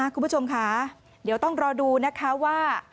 คุณผู้ชมค่ะเดี๋ยวต้องรอดูนะคะว่า